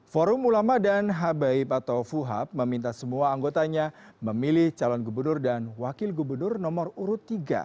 forum ulama dan habaib atau fuhab meminta semua anggotanya memilih calon gubernur dan wakil gubernur nomor urut tiga